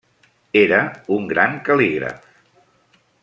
Era un gran cal·lígraf.